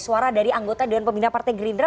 suara dari anggota dewan pembina partai gerindra